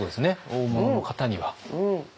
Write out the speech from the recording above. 大物の方には。